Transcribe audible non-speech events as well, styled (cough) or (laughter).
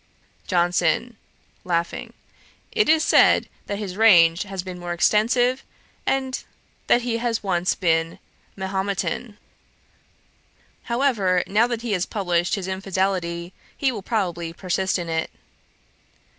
JOHNSON, (laughs) 'It is said, that his range has been more extensive, and that he has once been Mahometan. However, now that he has published his infidelity, he will probably persist in it.'